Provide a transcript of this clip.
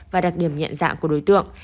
và đặc điểm nhận dạng của đối tượng